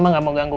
aku mau tidur